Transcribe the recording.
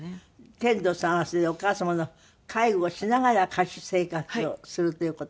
天童さんはそれでお母様の介護をしながら歌手生活をするという事になって。